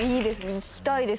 行きたいです